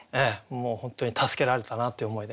もう本当に助けられたなという思いで。